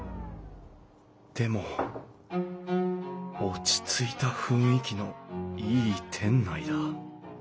でも落ち着いた雰囲気のいい店内だ。